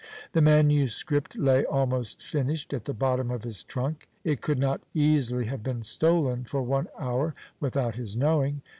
The manuscript lay almost finished at the bottom of his trunk. It could not easily have been stolen for one hour without his knowing.